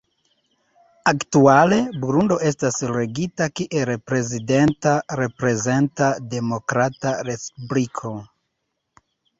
Aktuale, Burundo estas regita kiel prezidenta reprezenta demokrata respubliko.